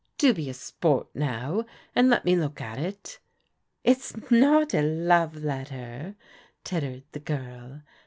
Do be a sport now, and let me look at it." "It's not a love letter," tittered the girl.